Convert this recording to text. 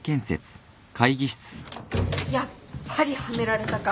やっぱりはめられたか。